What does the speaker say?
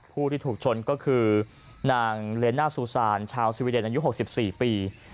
ผู้ที่ถูกชนก็คือนางเลน่าซูซานชาวสวีเดนอายุ๖๔ปี